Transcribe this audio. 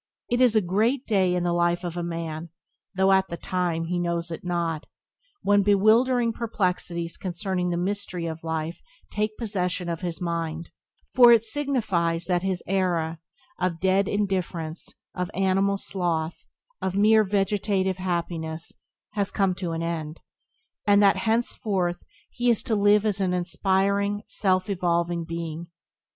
It is a great day in the life of a man (though at the time he knows it not) when bewildering perplexities concerning the mystery of life take possession of his mind, for it signifies that his era of dead indifference, of animal sloth, of mere vegetative happiness, has come to an end, and that henceforth he is to live as an aspiring, self evolving being.